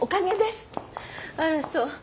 あらそう。